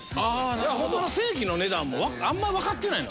だからホンマの正規の値段もあんまわかってないの。